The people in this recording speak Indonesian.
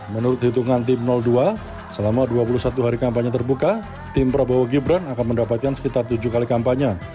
menurut hitungan tim dua selama dua puluh satu hari kampanye terbuka tim prabowo gibran akan mendapatkan sekitar tujuh kali kampanye